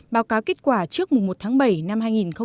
báo cáo kết quả trước mùng một tháng bảy năm hai nghìn một mươi bảy